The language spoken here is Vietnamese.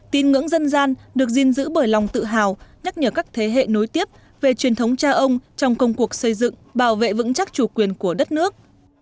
tín ngưỡng dân gian được gìn giữ bởi lòng tự hào nhắc nhở các thế hệ nối tiếp về truyền thống cha ông trong công cuộc xây dựng bảo vệ vững chắc chủ quyền của đất nước